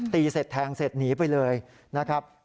ตีเสร็จแทงเสร็จหนีไปเลยนะครับ